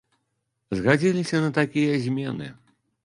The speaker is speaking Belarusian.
Згадзіліся на такія змены.